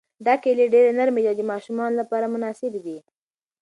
دا کیلې ډېرې نرمې دي او د ماشومانو لپاره مناسبې دي.